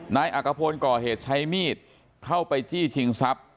นายอักภพลก่อเหตุใช้มีดเข้าไปจี้ชิงทรัพย์